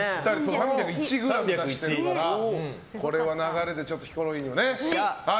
３０１ｇを出してるからこれは流れでヒコロヒーもね。